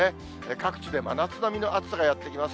各地で真夏並みの暑さがやって来ます。